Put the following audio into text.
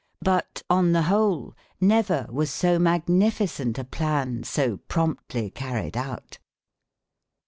But on the whole, never was so magnificent a plan so promptly carried out.